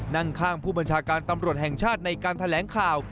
นั่งข้างผู้บัญชาการตำรวจแห่งชาติในการแถลงข่าว